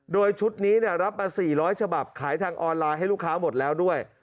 โดยชุดนี้รับมา๔๐๐ฉบับขายทางออนไลน์ให้ลูกค้าหมดแล้วด้วย